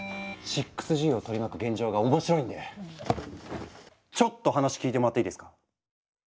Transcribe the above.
６Ｇを取り巻く現状が面白いんでちょっと話聞いてもらっていいですか？